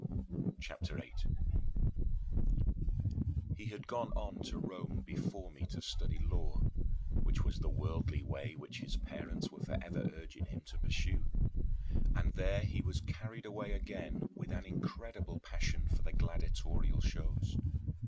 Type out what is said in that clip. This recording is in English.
CHAPTER VIII 13. He had gone on to Rome before me to study law which was the worldly way which his parents were forever urging him to pursue and there he was carried away again with an incredible passion for the gladiatorial shows.